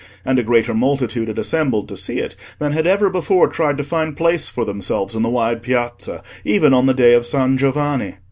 And a greater multitude had assembled to see it than had ever before tried to find place for themselves in the wide Piazza, even on the day of San Giovanni.